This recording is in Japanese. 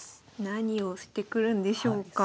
何をしてくるんでしょうか。